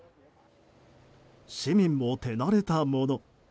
市民も手慣れたもの。